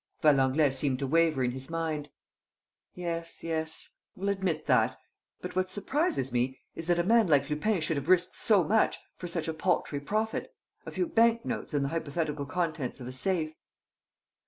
Valenglay seemed to waver in his mind: "Yes, yes ... we'll admit that. ... But what surprises me is that a man like Lupin should have risked so much for such a paltry profit: a few bank notes and the hypothetical contents of a safe."